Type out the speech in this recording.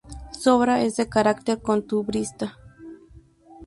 Su obra es de carácter costumbrista.